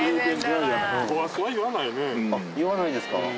あ言わないですか。